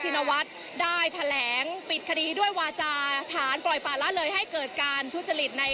นวัฒน์ได้แถลงปิดคดีด้วยวาจาฐานปล่อยป่าละเลยให้เกิดการทุจริตใน